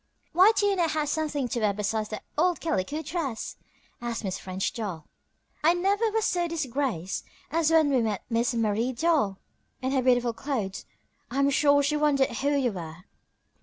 "Why do you not have something to wear besides that old calico dress?" asked Miss French Doll. "I never was so disgraced as when we met Miss Marie Doll in her beautiful clothes. I am sure she wondered who you were."